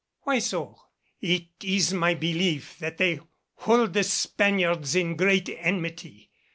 "Why so?" "It is my belief that they hold the Spaniards in great enmity.